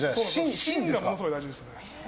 心がものすごい大事ですね。